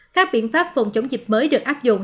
các biện pháp phòng chống dịch mới được áp dụng